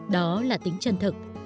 đó là tính chân thực